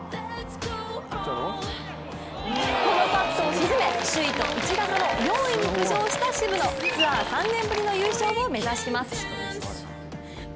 このパットを沈め首位と１打差の４位に浮上した渋野、ツアー３年ぶりの優勝を目指します。